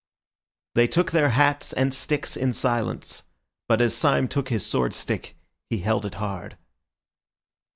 They took their hats and sticks in silence; but as Syme took his sword stick, he held it hard.